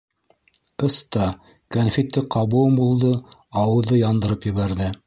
Ыста, кәнфитте ҡабыуым булды, ауыҙҙы яндырып ебәрҙе.